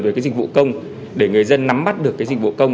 về cái dịch vụ công để người dân nắm bắt được cái dịch vụ công